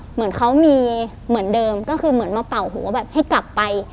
เหมือนเขามีเหมือนเดิมก็คือเหมือนมาเป่าหัวแบบให้กลับไป